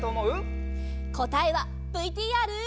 こたえはＶＴＲ。